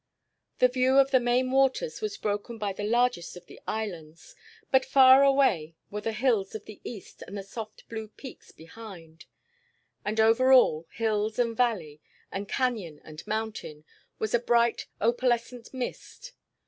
The view of the main waters was broken by the largest of the islands, but far away were the hills of the east and the soft blue peaks behind. And over all, hills and valley and canyon and mountain, was a bright opalescent mist.